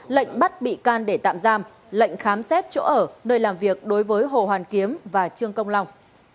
lệnh bắt bị can để tạm giam lệnh khám xét chỗ ở nơi làm việc đối với hồ hoàn kiếm và trương công long